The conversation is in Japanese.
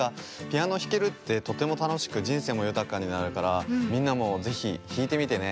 ピアノひけるってとてもたのしくじんせいもゆたかになるからみんなもぜひひいてみてね。